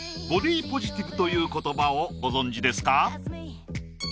ボディポジティブという言葉をご存じですか？